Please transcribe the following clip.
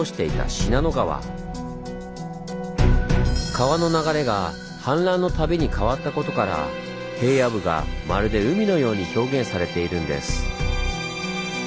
川の流れが氾濫の度に変わったことから平野部がまるで海のように表現されているんです。